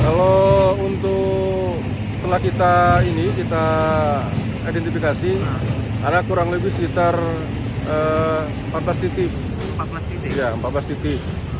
kalau untuk setelah kita ini kita identifikasi ada kurang lebih sekitar empat belas titik